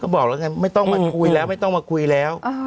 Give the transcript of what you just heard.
บอกแล้วไงไม่ต้องมาคุยแล้วไม่ต้องมาคุยแล้ว